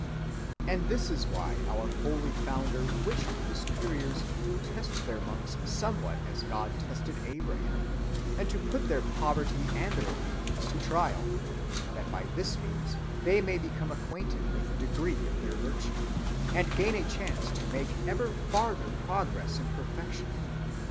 "And this is why our holy founder wished the superiors to test their monks somewhat as God tested Abraham, and to put their poverty and their obedience to trial, that by this means they may become acquainted with the degree of their virtue, and gain a chance to make ever farther progress in perfection